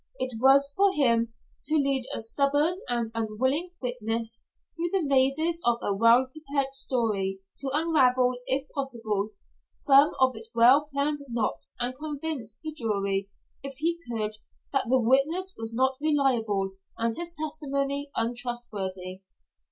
It was for him to lead a stubborn and unwilling witness through the mazes of a well prepared story, to unravel, if possible, some of its well planned knots and convince the jury if he could that the witness was not reliable and his testimony untrustworthy.